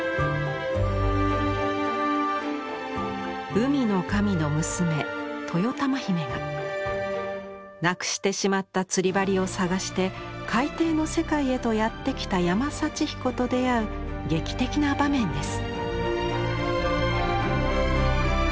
海の神の娘・豊玉姫がなくしてしまった釣り針を捜して海底の世界へとやって来た山幸彦と出会う劇的な場面です。